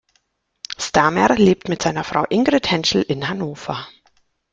Stamer lebt mit seiner Frau Ingrid Hentschel in Hannover.